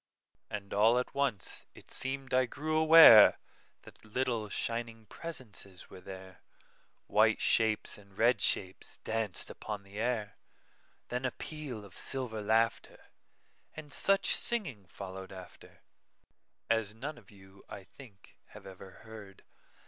And all at once it seem'd I grew awareThat little, shining presences were there,—White shapes and red shapes danced upon the air; Then a peal of silver laughter, And such singing followed afterAs none of you, I think, have ever heard.